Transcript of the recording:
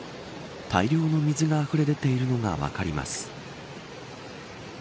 大量の水があふれ出ているのが分かります。